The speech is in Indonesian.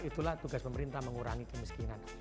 itulah tugas pemerintah mengurangi kemiskinan